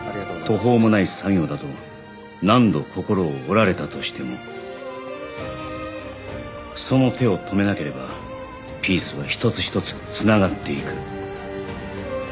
途方もない作業だと何度心を折られたとしてもその手を止めなければピースは一つ一つ繋がっていく